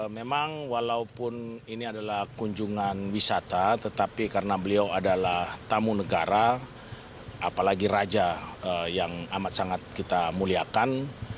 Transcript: memang walaupun ini adalah kunjungan wisata tetapi karena beliau adalah tamu negara apalagi raja yang amat sangat kita muliakan